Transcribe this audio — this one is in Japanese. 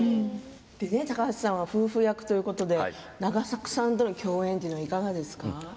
高橋さんは夫婦役ということで永作さんとの共演というのはいかがですか。